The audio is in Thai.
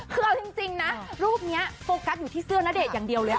คือเอาจริงนะรูปนี้โฟกัสอยู่ที่เสื้อณเดชน์อย่างเดียวเลยค่ะ